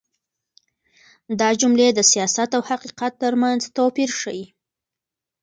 دا جملې د سياست او حقيقت تر منځ توپير ښيي.